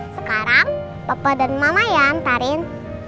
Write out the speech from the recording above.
sekarang papa dan mama ya antarin